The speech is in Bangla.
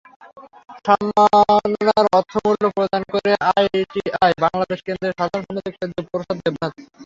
সম্মাননার অর্থমূল্য প্রদান করেন আইটিআই বাংলাদেশ কেন্দ্রের সাধারণ সম্পাদক দেবপ্রসাদ দেবনাথ।